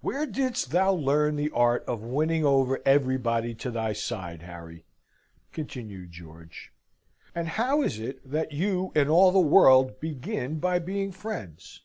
"Where didst thou learn the art of winning over everybody to thy side, Harry?" continued George; "and how is it that you and all the world begin by being friends?